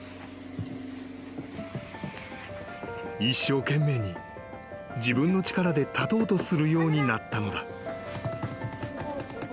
［一生懸命に自分の力で立とうとするようになったのだ］